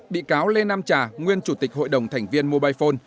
bị cáo lê nam trà nguyên chủ tịch hội đồng thành viên mobile phone